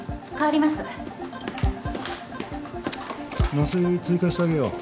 麻酔追加してあげよう。